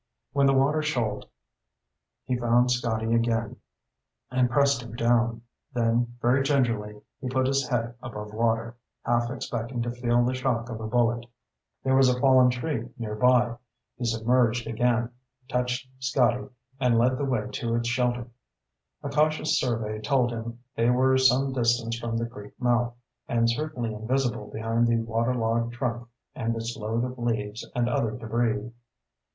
When the water shoaled, he found Scotty again and pressed him down; then, very gingerly, he put his head above water, half expecting to feel the shock of a bullet. There was a fallen tree nearby. He submerged again, touched Scotty, and led the way to its shelter. A cautious survey told him they were some distance from the creek mouth, and certainly invisible behind the waterlogged trunk and its load of leaves and other debris.